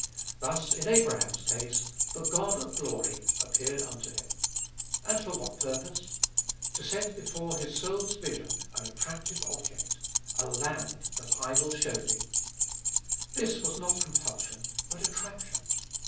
Thus, in Abraham's case, "The God of glory appeared unto him." And for what purpose? To set before his soul's vision an attractive object, "a land that I will show thee." This was not compulsion but attraction.